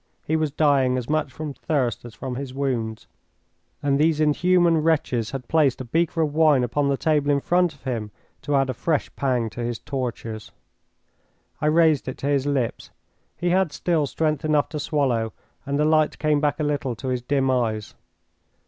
He was dying as much from thirst as from his wounds, and these inhuman wretches had placed a beaker of wine upon the table in front of him to add a fresh pang to his tortures. I raised it to his lips. He had still strength enough to swallow, and the light came back a little to his dim eyes.